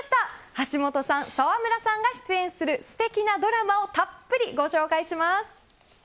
橋本さん、沢村さんが出演するすてきなドラマをたっぷりご紹介します。